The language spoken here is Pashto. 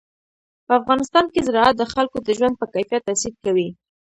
په افغانستان کې زراعت د خلکو د ژوند په کیفیت تاثیر کوي.